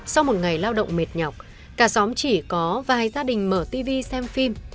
sau một ngày lao động mệt nhọc cả xóm chỉ có vài gia đình mở tv xem phim